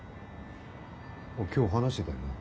今日話してたよね。